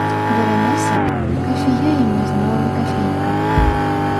Баронесса, кофею ему из нового кофейника.